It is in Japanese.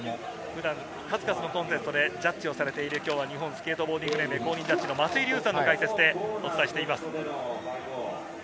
数々のコンテストでジャッジをされている、日本スケートボーディング連盟公認ジャッジの松井立さんの解説でお送りしています。